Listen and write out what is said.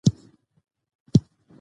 سیاسي پوهاوی د افراط مخه نیسي